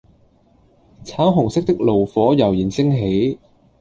橙紅色的爐火悠然升起